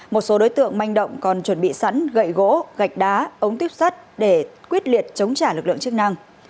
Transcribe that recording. một số đối tượng manh động còn chuẩn bị sẵn gậy gỗ gạch đá ống tuyếp sắt để quyết liệt chống trả lực lượng chức năng